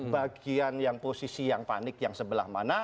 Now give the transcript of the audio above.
bagian yang posisi yang panik yang sebelah mana